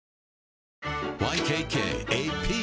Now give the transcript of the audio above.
ＹＫＫＡＰ